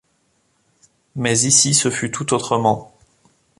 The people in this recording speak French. Mais ici ce fut tout autrement.